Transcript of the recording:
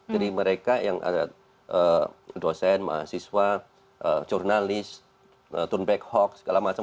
jadi mereka yang ada dosen mahasiswa jurnalis turn back hawk segala macam